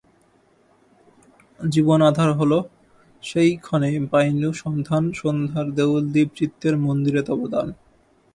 জীবন আঁধার হল, সেই ক্ষণে পাইনু সন্ধান সন্ধ্যার দেউলদীপ চিত্তের মন্দিরে তব দান।